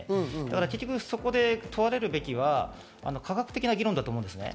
結局そこで問われるべきは科学的な議論だと思うんです。